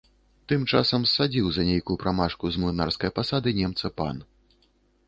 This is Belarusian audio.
Тым часам ссадзіў за нейкую прамашку з млынарскае пасады немца пан.